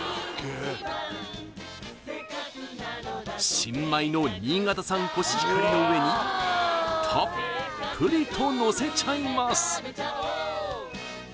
新米の新潟産コシヒカリの上にたっぷりとのせちゃいます